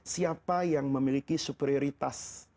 siapa yang memiliki superioritas